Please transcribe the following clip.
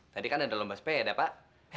tadi kan ada lomba sepeda pak